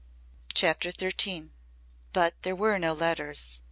CHAPTER XIII But there were no letters.